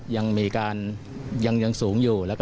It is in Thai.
ยังมีการยังสูงอยู่